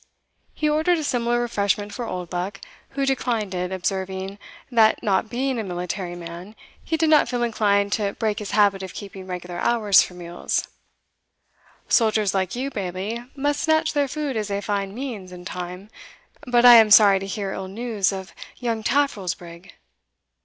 He ordered a similar refreshment for Oldbuck, who declined it, observing, that, not being a military man, he did not feel inclined to break his habit of keeping regular hours for meals "Soldiers like you, Bailie, must snatch their food as they find means and time. But I am sorry to hear ill news of young Taffril's brig."